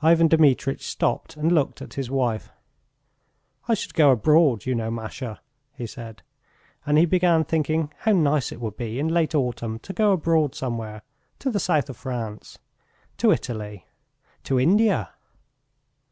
Ivan Dmitritch stopped and looked at his wife. "I should go abroad, you know, Masha," he said. And he began thinking how nice it would be in late autumn to go abroad somewhere to the South of France... to Italy.... to India!